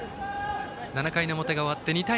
７回の表が終わって２対０。